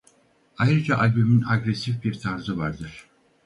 Ayrıca albümün agresif bir tarzı vardır.